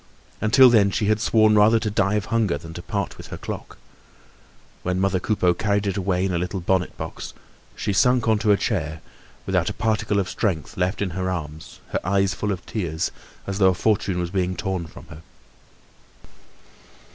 Until then, she had sworn rather to die of hunger than to part with her clock. When mother Coupeau carried it away in a little bonnet box, she sunk on to a chair, without a particle of strength left in her arms, her eyes full of tears, as though a fortune was being torn from her.